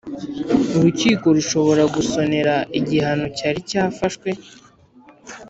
Urukiko rushobora gusonera igihano cyari cyafashwe